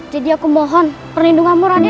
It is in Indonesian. jadi aku mohon perlindunganmu raden